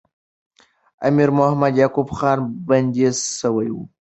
امیر محمد یعقوب خان بندي سوی وو.